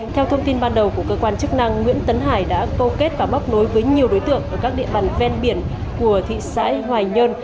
theo thông tin ban đầu của cơ quan chức năng nguyễn tấn hải đã câu kết và móc nối với nhiều đối tượng ở các địa bàn ven biển của thị xã hoài nhơn